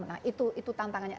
nah itu tantangannya